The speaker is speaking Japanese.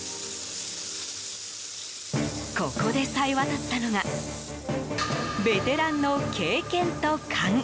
ここで、さえ渡ったのがベテランの経験と勘。